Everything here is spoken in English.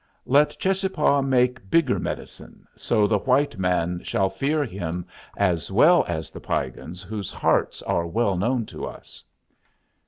Let Cheschapah make bigger medicine, so the white man shall fear him as well as the Piegans, whose hearts are well known to us."